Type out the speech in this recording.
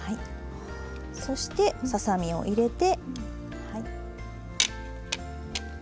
そしてささ身を入れて。